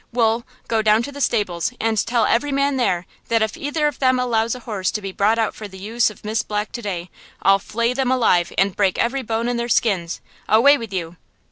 "Wool, go down to the stables and tell every man there that if either of them allows a horse to be brought out for the use of Miss Black to day, I'll flay them alive and break every bone in their skins. Away with you."